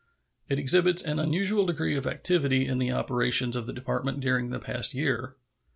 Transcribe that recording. It exhibits an unusual degree of activity in the operations of the Department during the past year.